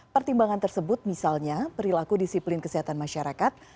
pertimbangan tersebut misalnya perilaku disiplin kesehatan masyarakat